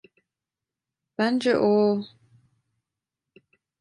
Bence o…